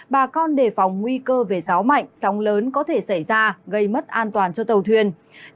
bà con đề phòng nguy cơ về gió mạnh sóng lớn có thể xảy ra gây mất an toàn cho tàu thuyền